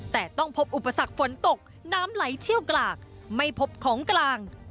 แต่ต้องพบอุปสรรคฝนตกน้ำไหลเชี่ยวกลากไม่พบของกลาง